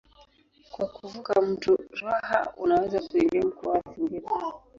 Kwa kuvuka mto Ruaha unaweza kuingia mkoa wa Singida.